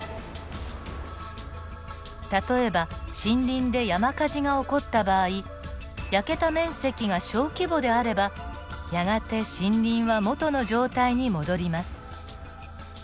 例えば森林で山火事が起こった場合焼けた面積が小規模であればやがて森林は元の状態に戻ります。